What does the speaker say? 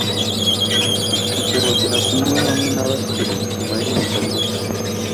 gusohokera kunywa hamwe nabasore bituma yumva macho